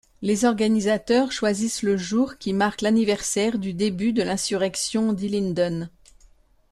Les organisateurs choisissent le jour qui marque l'anniversaire du début de l'insurrection d'Ilinden.